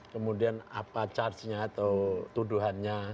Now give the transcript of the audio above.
kemudian apa charge nya atau tuduhannya